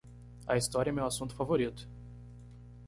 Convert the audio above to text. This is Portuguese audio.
A história é meu assunto favorito.